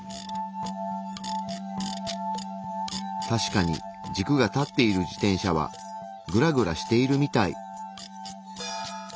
確かに軸が立っている自転車はグラグラしているみたい。